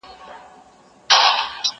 زه سیر کړی دی!؟